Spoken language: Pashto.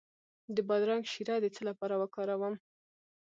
د بادرنګ شیره د څه لپاره وکاروم؟